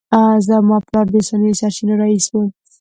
زما پلار د انساني سرچینو رییس و